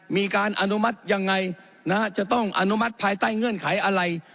มีการอนุมัติยังไงจะต้องอนุมัติภายใต้เงื่อนไขอะไร